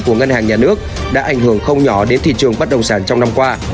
của ngân hàng nhà nước đã ảnh hưởng không nhỏ đến thị trường bất động sản trong năm qua